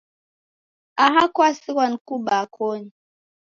Aha kwasighwa ni kubaa koni.